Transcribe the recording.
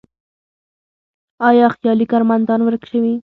آیا خیالي کارمندان ورک شوي؟